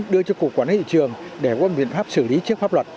đưa cho cụ quản lý thị trường để có biện pháp xử lý trước pháp luật